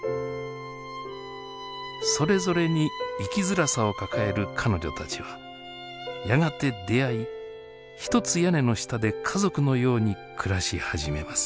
それぞれに生きづらさを抱える彼女たちはやがて出会い一つ屋根の下で家族のように暮らし始めます。